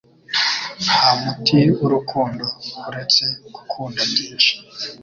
Nta muti w'urukundo uretse gukunda byinshi.”